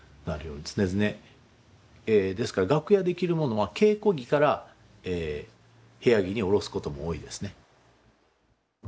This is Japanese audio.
ですから楽屋で着る物は稽古着から部屋着におろすことも多いですね。